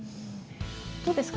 どうですか？